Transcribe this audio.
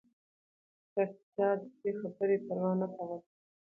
شاه شجاع د دې خبرې پروا نه کوله.